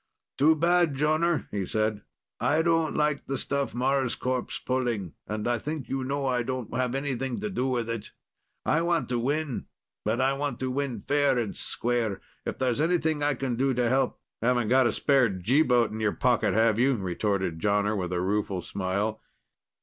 "Too bad, Jonner," he said. "I don't like the stuff Marscorp's pulling, and I think you know I don't have anything to do with it. "I want to win, but I want to win fair and square. If there's anything I can do to help...." "Haven't got a spare G boat in your pocket, have you?" retorted Jonner, with a rueful smile.